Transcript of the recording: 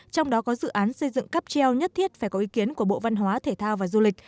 trong đó có dự án xây dựng cáp treo nhất thiết phải có ý kiến của bộ văn hóa thể thao và du lịch